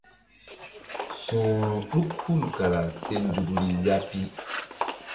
Su̧hru ɗuk hul kara se nzukri ya pi.